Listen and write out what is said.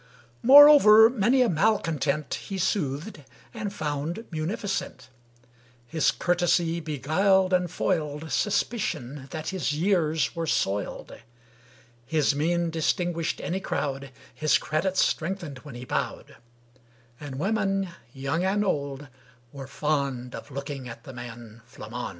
Moreover many a malcontent He soothed, and found munificent; His courtesy beguiled and foiled Suspicion that his years were soiled; His mien distinguished any crowd, His credit strengthened when he bowed; And women, young and old, were fond Of looking at the man Flammond.